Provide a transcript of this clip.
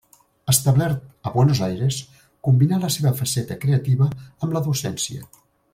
Establert a Buenos Aires, combinà la seva faceta creativa amb la docència.